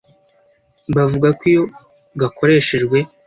bavuga ko iyo gakoreshejwe